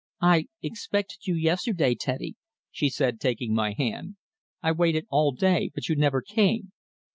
"I expected you yesterday, Teddy," she said, taking my hand. "I waited all day, but you never came."